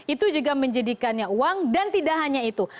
itu juga menjadikannya uang dan tidak hanya itu